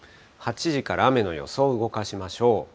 ８時から雨の予想を動かしましょう。